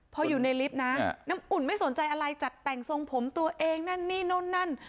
พออยู่ในลิฟต์นะน้ำอุ่นไม่สนใจอะไรจัดแต่งทรงผมตัวเองนั่นนี่นู่นนั่น